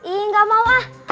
iya gak mau ah